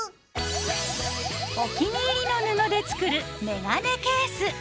お気に入りの布で作るメガネケース。